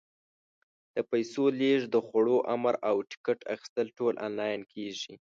د پیسو لېږد، د خوړو امر، او ټکټ اخیستل ټول آنلاین کېږي.